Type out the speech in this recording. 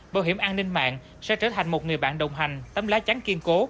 bảo hiểm an ninh mạng sẽ trở thành một người bạn đồng hành tấm lá chắn kiên cố